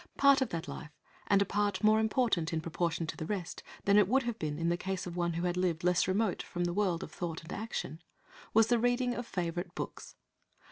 Part of that life, and a part more important, in proportion to the rest, than it would have been in the case of one who had lived less remote from the world of thought and action, was the reading of favourite books.